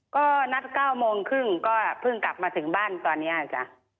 ก็นัด๙โมงครึ่งก็เพิ่งกลับมาถึงบ้านตอนนี้จ้ะ